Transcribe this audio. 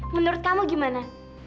menurut kamu gimana